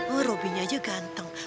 oh robinya aja ganteng